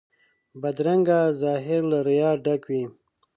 بدرنګه ظاهر له ریا ډک وي